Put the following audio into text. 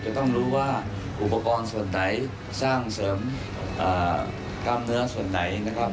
จะต้องรู้ว่าอุปกรณ์ส่วนไหนสร้างเสริมกล้ามเนื้อส่วนไหนนะครับ